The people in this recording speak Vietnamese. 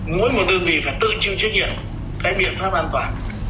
mỗi một đơn vị phải tự chịu trách nhiệm cái biện pháp an toàn